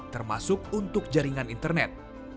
termasuk untuk jaringan internet